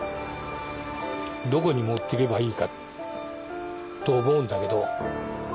どこに持ってけばいいかと思うんだけど。